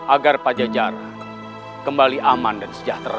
agar pajajar kembali aman dan sejahtera